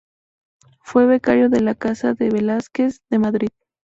Fue becario de la Casa de Velázquez de Madrid.